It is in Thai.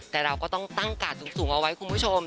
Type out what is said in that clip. แต่เราก็ต้องตั้งกาดสูงเอาไว้คุณผู้ชม